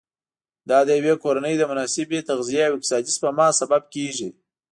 دا د یوې کورنۍ د مناسبې تغذیې او اقتصادي سپما سبب کېږي.